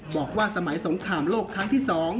บอกว่าสมัยสงครามโลกครั้งที่๒